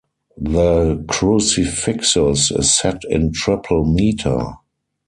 The Crucifixus is set in triple meter.